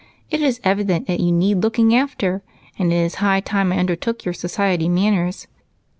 It is evident that you need looking after, and it is high time I undertook your society manners.